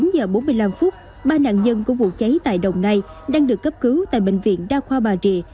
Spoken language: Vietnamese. chín giờ bốn mươi năm phút ba nạn nhân của vụ cháy tại đồng nai đang được cấp cứu tại bệnh viện đa khoa bà rịa